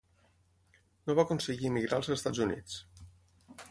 No va aconseguir emigrar als Estats Units.